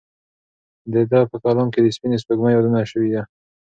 د ده په کلام کې د سپینې سپوږمۍ یادونه شوې ده.